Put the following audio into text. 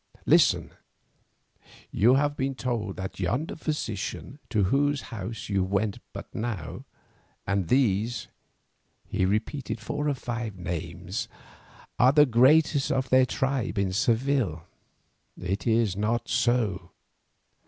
Listen: you have been told that yonder physician, to whose house you went but now, and these"—here he repeated four or five names—"are the greatest of their tribe in Seville. It is not so.